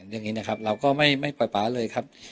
อย่างนี้นะครับเราก็ไม่ปล่อยป๊าเลยครับ